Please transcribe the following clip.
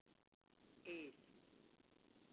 Eğil!